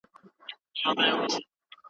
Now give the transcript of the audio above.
او دا ټول قومونه یو له بل سره تړلي دي؛